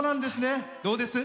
どうですか？